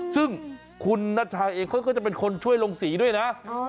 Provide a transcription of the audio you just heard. ซึ่งคุณนัชชาเองเขาก็จะเป็นคนช่วยลงสีด้วยนะ